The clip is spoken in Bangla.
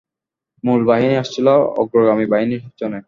মূল বাহিনী আসছিল অগ্রগামী বাহিনীর পিছনে।